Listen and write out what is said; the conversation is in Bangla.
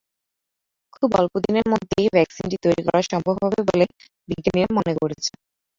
খুব অল্পদিনের মধ্যেই ভ্যাকসিনটি তৈরি করা সম্ভব হবে বলে বিজ্ঞানীরা মনে করছেন।